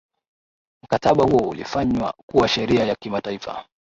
mkataba huo ulifanywa kuwa sheria ya kimataifa